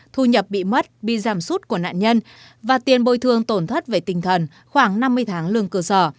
thu nhập bị mất bị giảm sút của nạn nhân và tiền bồi thương tổn thất về tinh thần khoảng năm mươi tháng lương cơ sở